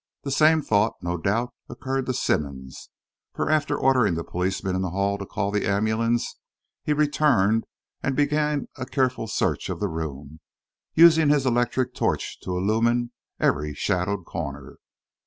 The same thought, no doubt, occurred to Simmonds, for, after ordering the policeman in the hall to call the ambulance, he returned and began a careful search of the room, using his electric torch to illumine every shadowed corner.